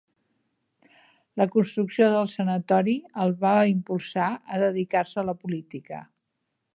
La construcció del sanatori el va impulsar a dedicar-se a la política.